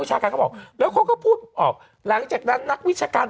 ชาการเขาบอกแล้วเขาก็พูดออกหลังจากนั้นนักวิชาการ